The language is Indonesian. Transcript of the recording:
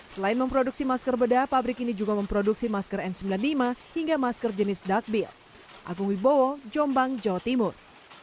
selain memproduksi masker bedah pabrik ini juga memproduksi masker n sembilan puluh lima hingga masker jenis dukbil